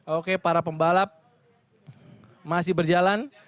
oke para pembalap masih berjalan